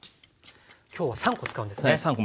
今日は３コ使うんですね。